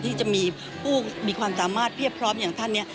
ที่จะมีผู้มีความสามารถเพียบพร้อมอย่างท่านเนี่ย